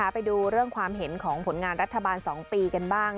ไปดูเรื่องความเห็นของผลงานรัฐบาล๒ปีกันบ้าง